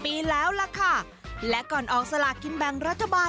พี่ตาติ้งโหนงบอกว่าได้สตาปเจ้าโกเห็งไว้ดูต่างหน้าแทนความคิดถึงมานานกว่า๒๐ปีแล้วล่ะค่ะ